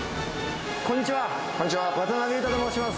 こんにちは。